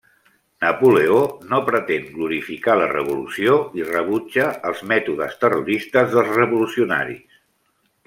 Napoleó no pretén glorificar la revolució i rebutja els mètodes terroristes dels revolucionaris.